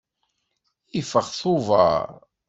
Iffeɣ tuber.